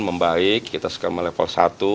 membaik kita sekarang level satu